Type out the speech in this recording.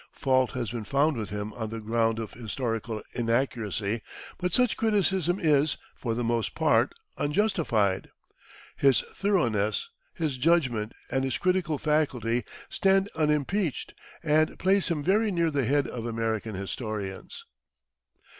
Fault has been found with him on the ground of historical inaccuracy, but such criticism is, for the most part, unjustified. His thoroughness, his judgment, and his critical faculty stand unimpeached, and place him very near the head of American historians.